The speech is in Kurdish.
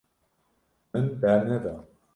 Min berneda.